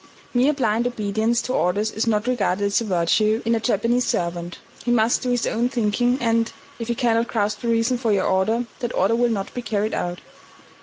Mere blind obedience to orders is not regarded as a virtue in a Japanese servant; he must do his own thinking, and, if he cannot grasp the reason for your order, that order will not be carried out.